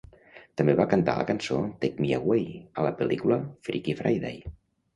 També va cantar la cançó "Take Me Away" a la pel·lícula "Freaky Friday".